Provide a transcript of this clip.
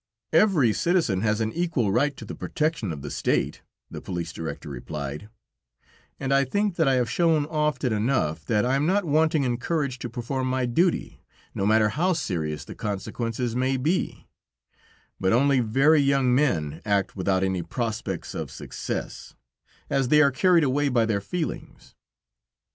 "Every citizen has an equal right to the protection of the State," the police director replied; "and I think that I have shown often enough, that I am not wanting in courage to perform my duty, no matter how serious the consequences may be; but only very young men act without any prospects of success, as they are carried away by their feelings.